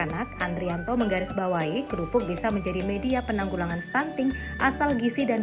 dan trianto menggarisbawahi kerupuk bisa menjadi media penanggulangan stunting asal gisi dan